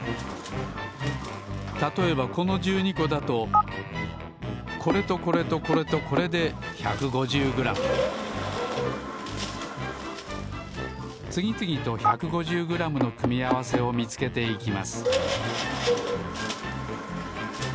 たとえばこの１２こだとこれとこれとこれとこれで１５０グラムつぎつぎと１５０グラムの組み合わせをみつけていきます